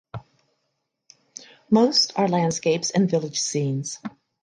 Most are landscapes and village scenes.